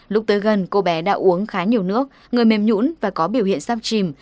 lúc tới gần cô bé đã uống khá nhiều nước người mềm nhũng và có biểu hiện sáp chìm